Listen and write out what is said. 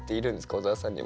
小沢さんにも。